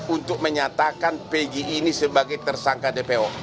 untuk menyatakan pg ini sebagai tersangka dpo